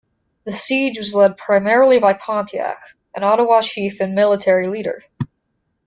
The siege was led primarily by Pontiac, an Ottawa chief and military leader.